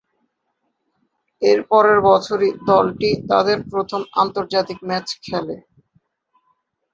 এর পরের বছরই দলটি তাদের প্রথম আন্তর্জাতিক ম্যাচ খেলে।